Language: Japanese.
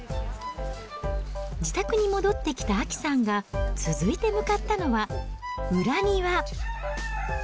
自宅に戻ってきた亜紀さんが、続いて向かったのは、裏庭。